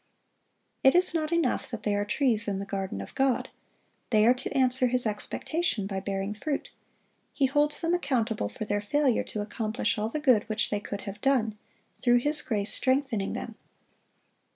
It is not enough that they are trees in the garden of God. They are to answer His expectation by bearing fruit. He holds them accountable for their failure to accomplish all the good which they could have done, through His grace strengthening them.